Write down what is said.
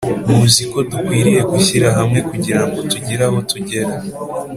muziko dukwiriye gushyira hamwe kugira ngo tugire aho tugera